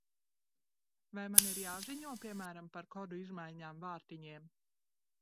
Vai man ir jāziņo, piemēram, par kodu izmaiņām vārtiņiem?